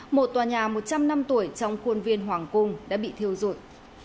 một tòa nhà một trăm linh năm tuổi trong khuôn viên hoàng cung đã bị thiêu rụi